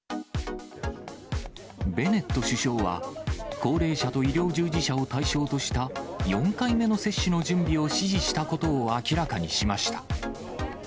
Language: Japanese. ベネット首相は、高齢者と医療従事者を対象とした４回目の接種の準備を指示したことを明らかにしました。